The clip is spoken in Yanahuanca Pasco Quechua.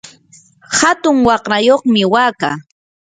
hatun waqrayuqmi wakaa.